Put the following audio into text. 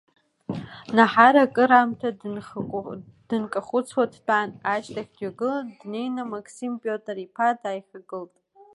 Наҳар акыраамҭа дынкахәыцуа дтәан, ашьҭахь дҩагылан, днеины Мақсим Пиотр-иԥа дааихагылт.